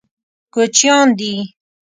کوچیان دي.